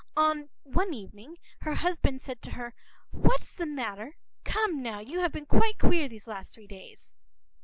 One evening her husband said to her:—“What’s the matter? Come, now, you have been quite queer these last three days.